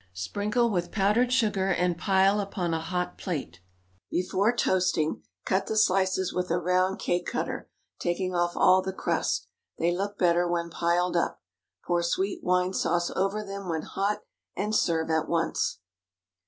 Sprinkle with powdered sugar and pile upon a hot plate. Before toasting, cut the slices with a round cake cutter, taking off all the crust. They look better when piled up. Pour sweet wine sauce over them when hot, and serve at once.